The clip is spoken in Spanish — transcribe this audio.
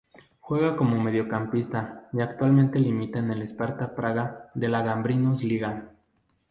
Juega como mediocampista y actualmente milita en el Sparta Praga de la Gambrinus liga.